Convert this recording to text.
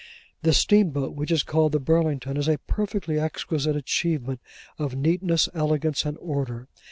This steamboat, which is called the Burlington, is a perfectly exquisite achievement of neatness, elegance, and order.